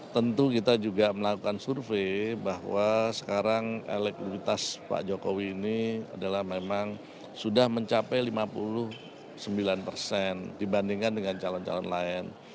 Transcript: tentu kita juga melakukan survei bahwa sekarang elektrikitas pak jokowi ini adalah memang sudah mencapai lima puluh sembilan persen dibandingkan dengan calon calon lain